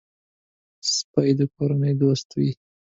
سپي د کورنۍ دوست وي.